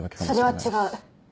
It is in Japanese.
それは違う。